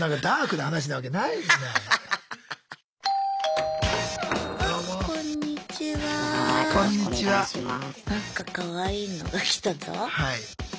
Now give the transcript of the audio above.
なんかかわいいのが来たぞ。